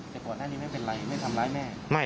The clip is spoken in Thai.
แต่ก่อนหน้านี้ไม่เป็นไรไม่ทำร้ายแม่